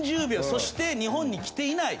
そして日本に来ていない。